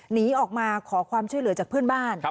หนีออกมาขอความช่วยเหลือจากเพื่อนบ้าน